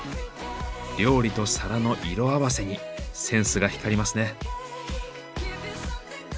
料理と皿の色合わせにセンスが光りますね。